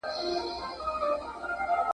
د مېله والو مستو زلمیو !.